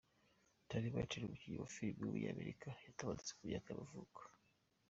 Tony Martin, umukinnyi wa filime w’umunyamerika yaratabarutse, ku myaka y’amavuko.